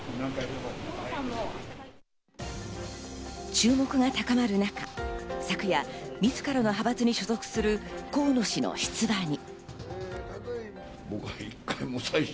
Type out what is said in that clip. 注目が高まる中、昨夜、自らの派閥に所属する河野氏の出馬に。